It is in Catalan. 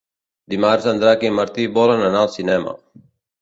Dimarts en Drac i en Martí volen anar al cinema.